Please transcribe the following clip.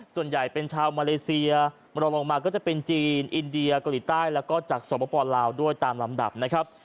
ส่วนใหญ่เป็นชาวมาเลเซียมรองลงมาก็จะเป็นจีนอินเดียเกาหลีใต้แล้วก็จากสปลาวด้วยตามลำดับนะครับ